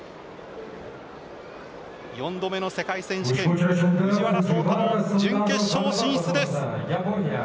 ４度目の世界選手権、藤原崇太郎準決勝進出です。